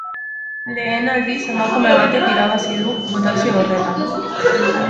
Lehen aldiz, emakume batek irabazi du botazio horretan.